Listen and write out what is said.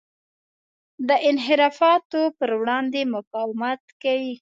د انحرافاتو پر وړاندې مقاومت کوي.